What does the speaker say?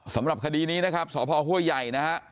สำหรับคดีนี้นะครับสพห้วยใหญ่นะฮะ